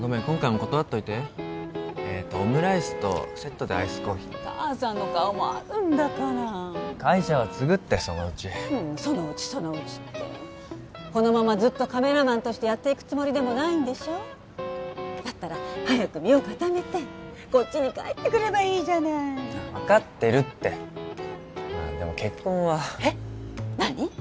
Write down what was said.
今回も断っといてえとオムライスとセットでアイスコーヒー母さんの顔もあるんだから会社は継ぐってそのうちそのうちそのうちってこのままずっとカメラマンとしてやっていくつもりでもないんでしょだったら早く身を固めてこっちに帰ってくればいいじゃない分かってるってでも結婚はえっ何？